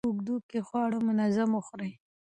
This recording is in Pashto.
د ورځې په اوږدو کې خواړه منظم وخورئ.